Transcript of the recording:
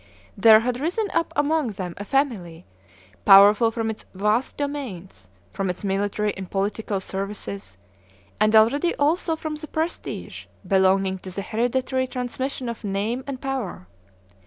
There had risen up among them a family, powerful from its vast domains, from its military and political services, and already also from the prestige belonging to the hereditary transmission of name and power.